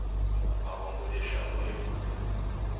Aw'ongo ndeshanuye iridia